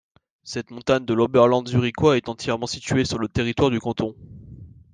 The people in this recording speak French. Cette montagne de l’Oberland zurichois est entièrement située sur le territoire du canton.